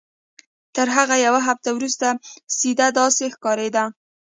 تر هغه یوه هفته وروسته سید داسې ښکارېده.